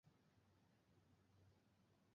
হ্রদে Port Sheldon নামে একটি ছোট পোতাশ্রয় রয়েছে।